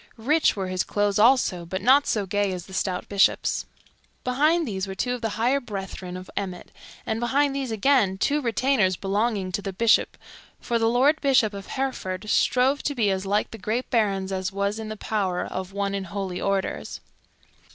Rich were his clothes also, but not so gay as the stout Bishop's. Behind these were two of the higher brethren of Emmet, and behind these again two retainers belonging to the Bishop; for the Lord Bishop of Hereford strove to be as like the great barons as was in the power of one in holy orders.